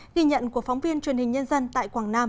ghi nhận của phóng viên truyền hình nhân dân tại quảng nam